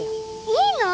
いいの！？